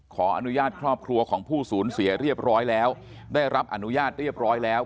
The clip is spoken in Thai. ขออนุญาตครอบครัวของผู้สูญเสียเรียบร้อยแล้วได้รับอนุญาตเรียบร้อยแล้ว